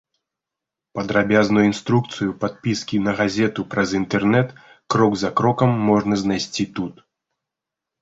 Падрабязную інструкцыю падпіскі на газету праз інтэрнэт крок за крокам можна знайсці тут.